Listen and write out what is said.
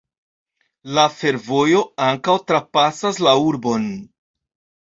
La fervojo ankaŭ trapasas la urbon.